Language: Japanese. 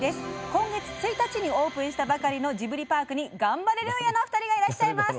今月１日にオープンしたばかりのジブリパークにガンバレルーヤの２人がいらっしゃいます。